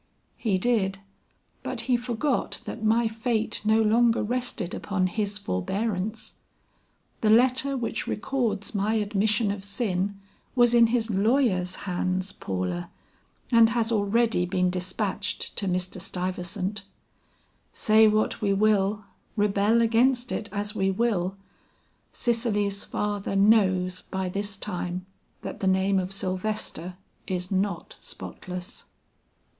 "He did, but he forgot that my fate no longer rested upon his forbearance. The letter which records my admission of sin was in his lawyer's hands, Paula, and has already been despatched to Mr. Stuyvesant. Say what we will, rebel against it as we will, Cicely's father knows by this time that the name of Sylvester is not spotless."